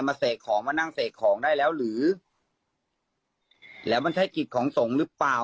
เสกของมานั่งเสกของได้แล้วหรือแล้วมันใช่กิจของสงฆ์หรือเปล่า